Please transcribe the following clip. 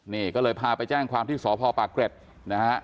นี่ก็เลยพาไปแจ้งความที่สพปากเกร็ดนะฮะ